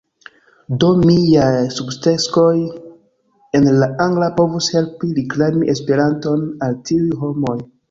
Do miaj subteksoj en la angla povus helpi reklami Esperanton al tiuj homoj